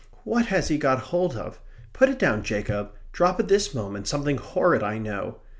"What has he got hold of? Put it down, Jacob! Drop it this moment! Something horrid, I know.